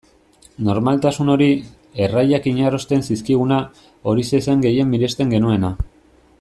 Normaltasun hori, erraiak inarrosten zizkiguna, horixe zen gehien miresten genuena.